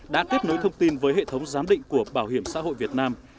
đã kết nối thông tin với hệ thống giám định của bảo hiểm xã hội việt nam